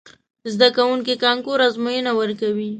زده کوونکي کانکور ازموینه ورکوي.